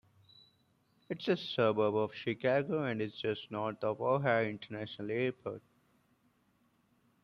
It is a suburb of Chicago and is just north of O'Hare International Airport.